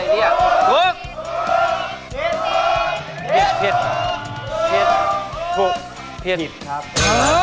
ถูก